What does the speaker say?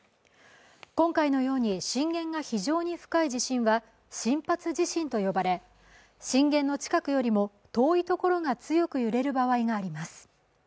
今回のように震源が非常に深い地震は深発地震と呼ばれ震源の近くよりも遠いところが強く揺れる場合があります。